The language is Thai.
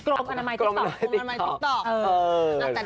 ราม่าคือกรมอนามัยติ๊กตอบ